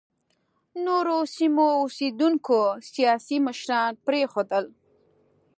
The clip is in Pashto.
نورو سیمو اوسېدونکو سیاسي مشران پرېنښودل.